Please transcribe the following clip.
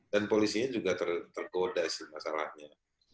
dan polisinya juga tergoda sih masalahnya